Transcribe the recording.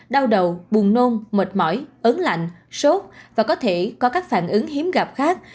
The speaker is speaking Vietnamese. đau đầu buồn nôn mệt mỏi ớn lạnh sốt và có thể có các phản ứng hiếm gặp khác